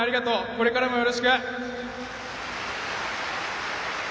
これからもよろしく！